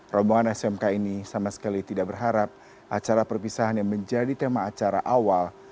rombongan smk ini sama sekali tidak berharap acara perpisahan yang menjadi tema acara awal